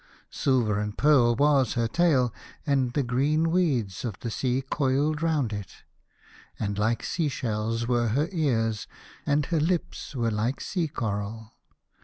Silver and pearl was her tail, and the green weeds of the sea coiled round it ; and like sea shells were her ears, and her lips were like sea coral.